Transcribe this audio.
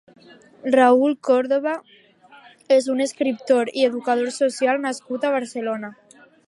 Raül Córdoba és un escriptor i educador social nascut a Barcelona.